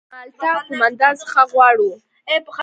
موږ له مالټا قوماندان څخه غواړو.